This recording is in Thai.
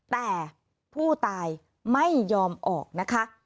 แต่ผู้ตายไม่ยอมออกนะคะ